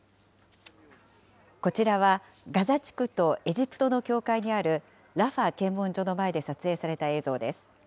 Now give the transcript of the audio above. こちらはガザ地区とエジプトの境界にあるラファ検問所の前で撮影された映像です。